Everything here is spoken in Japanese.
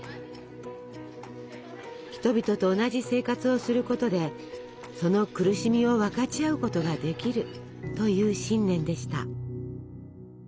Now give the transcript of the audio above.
人々と同じ生活をすることでその苦しみを分かち合うことができるという信念でした。